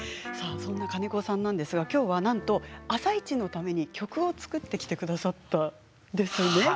そんな金子さんですがなんと「あさイチ」のために曲を作ってきてくださったんですよね？